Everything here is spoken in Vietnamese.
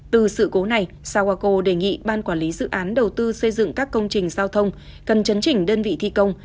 từ sự cố này sawako đề nghị ban quản lý dự án đầu tư xây dựng các công trình giao thông cần chấn chỉnh đơn vị thi công